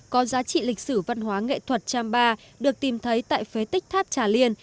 có giá trị lịch sử văn hóa nghệ thuật champa được tìm thấy tại phế tích tháp trà liên